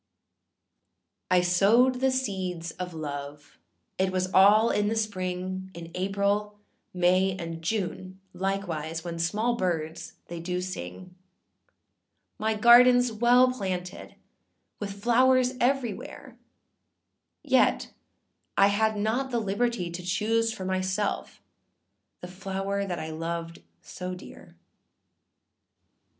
] I SOWED the seeds of love, it was all in the spring, In April, May, and June, likewise, when small birds they do sing; My gardenâs well planted with flowers everywhere, Yet I had not the liberty to choose for myself the flower that I loved so dear.